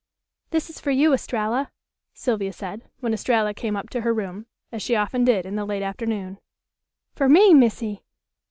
"This is for you, Estralla," Sylvia said, when Estralla came up to her room, as she often did in the late afternoon. "Fer me, Missy!